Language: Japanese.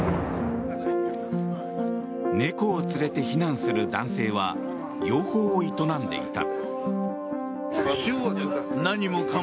猫を連れて避難する男性は養蜂を営んでいた。